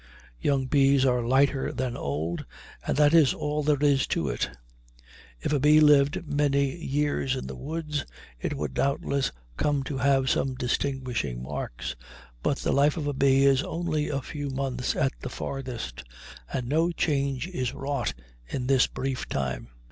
Young bees are lighter than old, and that is all there is of it. If a bee lived many years in the woods it would doubtless come to have some distinguishing marks, but the life of a bee is only a few months at the farthest, and no change is wrought in this brief time.